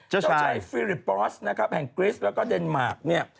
เจ้าชายฟิลิปปอสนะครับแห่งกริสแล้วก็เดนมาร์คเนี่ย